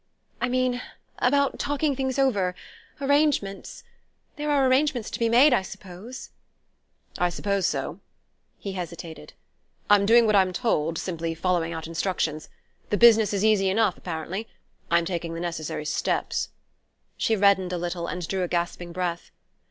"I mean, about talking things over arrangements. There are arrangements to be made, I suppose?" "I suppose so." He hesitated. "I'm doing what I'm told simply following out instructions. The business is easy enough, apparently. I'm taking the necessary steps " She reddened a little, and drew a gasping breath.